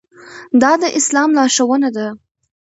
دا د اسلام لارښوونه ده.